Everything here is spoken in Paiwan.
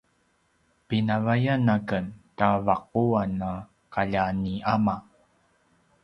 pinavayan a ken ta vaquan a kaljat ni ama